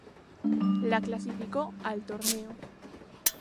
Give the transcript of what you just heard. La clasificó al torneo.